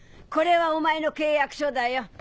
これはお前の契約書だよ